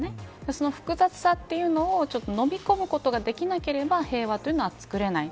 その複雑さというのをのみ込むことができなければ平和というのはつくれない。